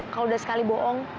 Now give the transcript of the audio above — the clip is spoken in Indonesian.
kalau udah sekali bohong